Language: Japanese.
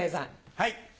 はい。